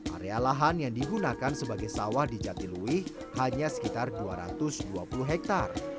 area lahan yang digunakan sebagai sawah di jatiluwih hanya sekitar dua ratus dua puluh hektare